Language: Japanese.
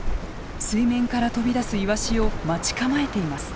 水面から飛び出すイワシを待ち構えています。